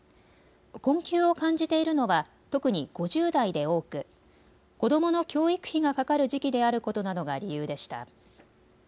困窮を感じているのは特に５０代で多く子どもの教育費がかかる時期であることなどが理由でした。